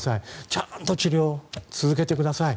ちゃんと治療を続けてください。